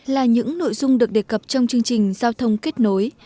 là những nội dung được đề cập trong chương trình giao thông kết nối